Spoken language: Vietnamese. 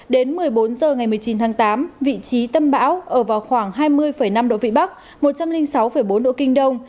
đến một mươi bốn h ngày một mươi chín tháng tám vị trí tâm bão ở vào khoảng hai mươi năm độ vĩ bắc một trăm linh sáu bốn độ kinh đông